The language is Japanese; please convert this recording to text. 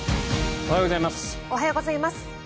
おはようございます。